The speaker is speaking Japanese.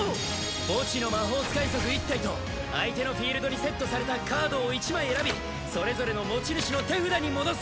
墓地の魔法使い族１体と相手のフィールドにセットされたカードを１枚選びそれぞれの持ち主の手札に戻す。